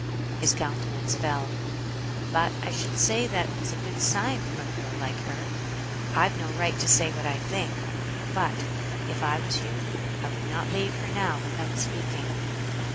His countenance fell. "But I should say that was a good sign from a girl like her. I've no right to say what I think; but, if I was you, I would not leave her now without speaking."